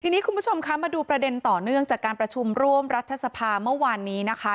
ทีนี้คุณผู้ชมคะมาดูประเด็นต่อเนื่องจากการประชุมร่วมรัฐสภาเมื่อวานนี้นะคะ